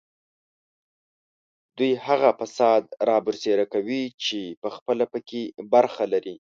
دوی هغه فساد رابرسېره کوي چې پخپله په کې برخه لري